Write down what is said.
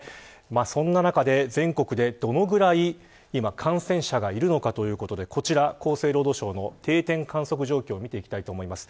そんな中で全国でどれぐらい今感染者がいるのかということでこちら厚生労働省の定点観測状況を見ていきてます。